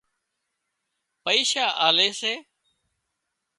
پئيشا آلي سي